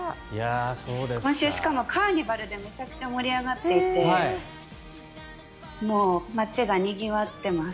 今週、しかもカーニバルでめちゃくちゃ盛り上がってて街がにぎわってます。